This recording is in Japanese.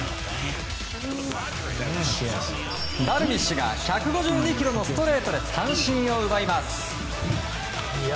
ダルビッシュが１５２キロのストレートで三振を奪います。